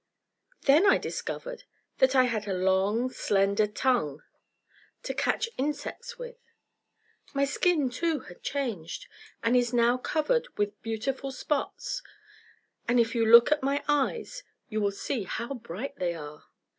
Then I discovered that I had a long, slender tongue to catch insects with. My skin, too, had changed, and is now covered with beautiful spots, and if you look at my eyes you will see how bright they are.